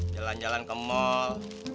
jalan jalan ke mal